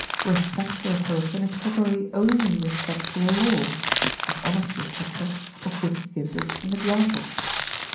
Respect for a person is properly only respect for the law (of honesty, etc.) of which he gives us an example.